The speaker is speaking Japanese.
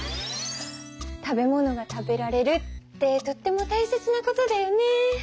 食べ物が食べられるってとっても大切なことだよね。